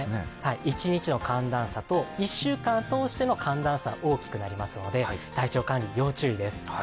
１日の寒暖差と１週間通しての寒暖差大きくなりますので体調管理要注意です。